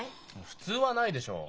普通はないでしょう。